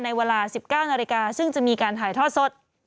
ในเวลา๑๙นาฬิกาซึ่งจะมีการถ่ายทอดสด